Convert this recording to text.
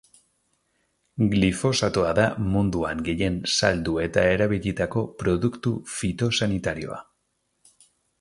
Glifosatoa da munduan gehien saldu eta erabilitako produktu fitosanitarioa.